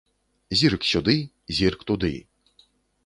Зірк сюды, зірк туды.